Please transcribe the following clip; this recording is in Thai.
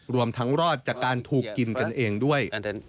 รวมทั้งรอดจากการถูกกินกันเองด้วย